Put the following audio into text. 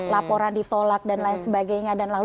laporan ditolak dan lain sebagainya